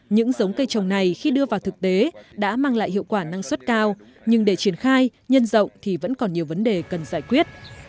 những giống cây trồng này khi đưa vào thực tế đã mang lại hiệu quả năng suất cao nhưng để triển khai nhân rộng thì vẫn còn nhiều vấn đề cần giải quyết